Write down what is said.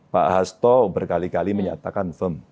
pak hasto berkali kali menyatakan firm